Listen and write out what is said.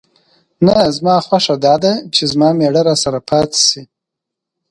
نه، زما خوښه دا ده چې زما مېړه راسره پاتې شي.